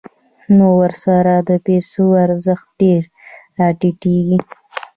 نو ورسره د پیسو ارزښت ډېر راټیټېږي